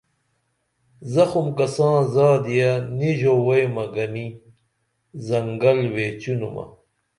زخم کساں زادیہ نی ژووئیمہ گنی زنگل ویچینُمہ